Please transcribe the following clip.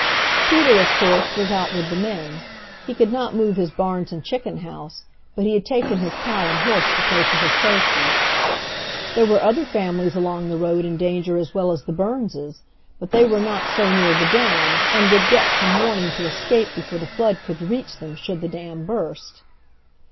Peter, of course, was out with the men. He could not move his barns and chicken house, but he had taken his cow and horse to places of safety. There were other families along the road in danger as well as the Burnses, but they were not so near the dam, and would get some warning to escape before the flood could reach them should the dam burst.